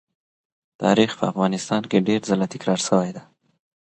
تاریخ په افغانستان کې ډېر ځله تکرار سوی دی.